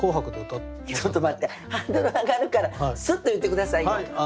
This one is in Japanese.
ちょっと待ってハードル上がるからスッと言って下さい。